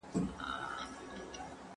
زه به د سبا لپاره د يادښتونه ترتيب کړي وي!!